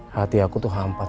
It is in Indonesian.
hati aku tuh hampat